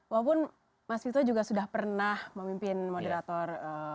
walaupun mas vito juga sudah pernah memimpin moderator